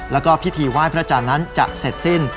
แล้วก็พิธีไหว้พระจันทร์นั้นจะเสร็จสิ้น